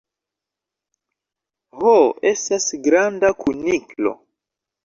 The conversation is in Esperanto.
Ho estas granda kuniklo.